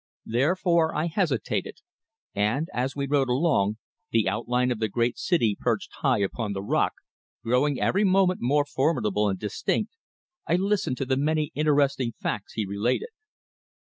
Therefore I hesitated, and, as we rode along, the outline of the great city, perched high upon the rock, growing every moment more formidable and distinct, I listened to the many interesting facts he related.